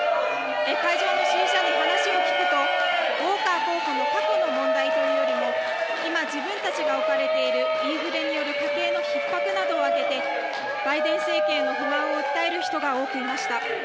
会場の支持者に話を聞くとウォーカー候補の過去の問題というよりも今自分たちが置かれているインフレによる家計のひっ迫などを挙げて、バイデン政権への不満を訴える人が多くいました。